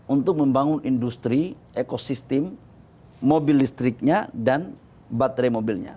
untuk membangun industri ekosistem mobil listriknya dan baterai mobilnya